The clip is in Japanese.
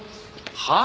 はあ！？